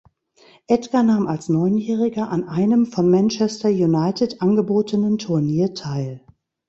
Edgar nahm als Neunjähriger an einem von Manchester United angebotenen Turnier teil.